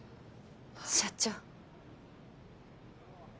社長。